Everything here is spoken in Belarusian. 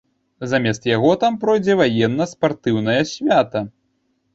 Замест яго там пройдзе ваенна-спартыўнае свята.